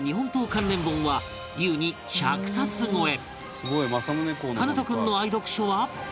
関連本は優に１００冊超え